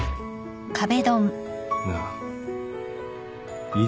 なあいい